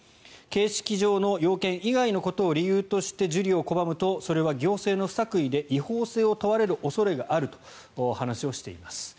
形式上の要件以外のことを理由として受理を拒むとそれは行政の不作為で違法性を問われる恐れがあると話をしています。